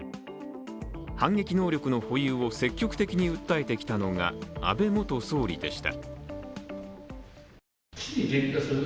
反撃能力の保有を積極的に訴えてきたのが安倍元総理でした。